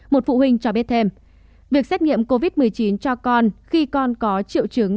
một phụ huynh cho biết thêm việc xét nghiệm covid một mươi chín cho con khi con có triệu chứng